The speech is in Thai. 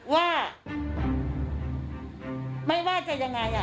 ว่าไม่ว่าจะยังไง